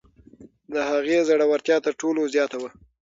د هغې زړورتیا تر ټولو زیاته وه.